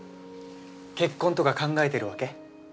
結婚とか考えてるわけ？